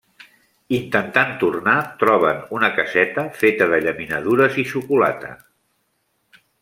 Intentant tornar, troben una caseta feta de llaminadures i xocolata.